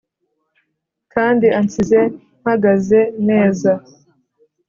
kandi ansize mpagaze neza,